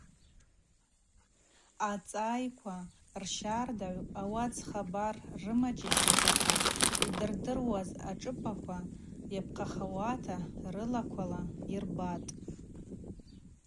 Ацӏайква рщардагӏв ауат зхабар рымаджьащахъвата йддырдыруаз ашӏыпӏаква йапхъахауата рылаквала йырбатӏ.